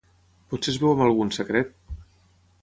Potser es veu amb algú en secret.